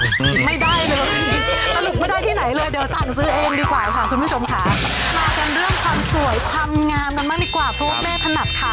มากันเรื่องความสวยความงามกันเรื่องกันมากดีกว่าพวกเบรทนัดข้ะ